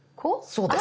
そうです。